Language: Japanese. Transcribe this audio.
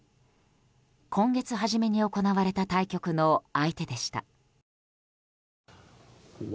今月初めに行われた対局の相手でした。